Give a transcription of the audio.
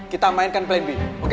kita mainkan plan b